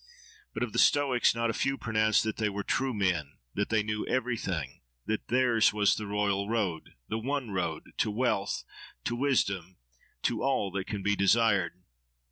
But of the Stoics, not a few pronounced that they were true men, that they knew everything, that theirs was the royal road, the one road, to wealth, to wisdom, to all that can be desired.